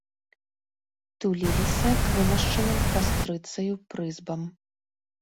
Туліліся к вымашчаным кастрыцаю прызбам.